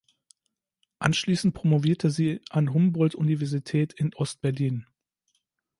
Anschließend promovierte sie an Humboldt-Universität in Ost-Berlin.